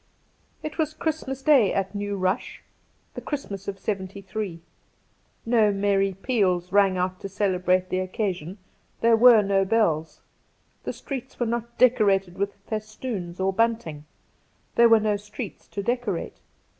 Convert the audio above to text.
It was Christmas Day at New Rush — the Christmas of '73. ^^ No merry peals rang out to celebrate the "occasion — there were no bells. The streets were not decorated with festoons or buntitig — there were no streets to decorate.